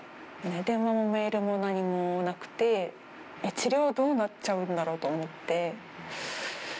電話もメールも何もなくて、治療どうなっちゃうんだろうと思って。